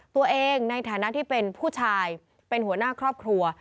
ในฐานะที่เป็นผู้ชายเป็นหัวหน้าครอบครัว